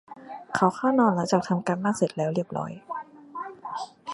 เขาเข้านอนหลังจากทำการบ้านเสร็จเรียบร้อยแล้ว